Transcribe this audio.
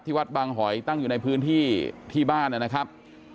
วัดบางหอยตั้งอยู่ในพื้นที่ที่บ้านนะครับ